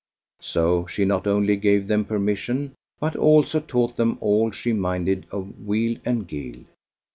So she not only gave them permission but also taught them all she minded of wile and guile.